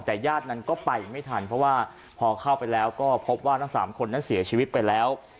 แต่ญาตินั้นก็ไปไม่ทันเพราะว่าพอเข้าไปแล้วก็พบว่าทั้ง๓คนนั้นเสียชีวิตไปแล้ว